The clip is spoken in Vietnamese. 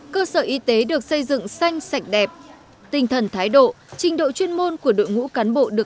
cơ sở y tế được xây dựng xanh sạch đẹp tinh thần thái độ trình độ chuyên môn của đội ngũ cán bộ